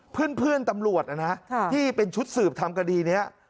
เพื่อนตำรวจนะฮะที่เป็นชุดสืบทำคดีนี้